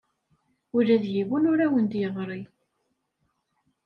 Ula d yiwen ur awen-d-yeɣri.